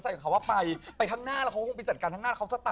ก็แยกทั้งพวกนั้นแหละค่ะ